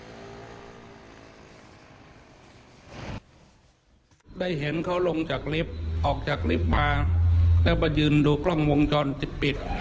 ได้เห็นเขาลงจากลิฟต์ออกจากลิฟต์มาแล้วมายืนดูกล้องวงจรปิดปิด